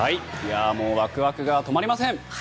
ワクワクが止まりません！